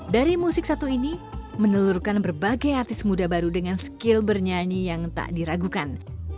dari musik satu ini menelurkan berbagai artis muda baru dengan skill bernyanyi yang tak diragukan